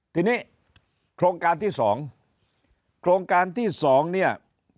ทีนี้โครงการที่๒โครงการที่๒เนี่ย